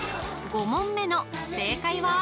５問目の正解は？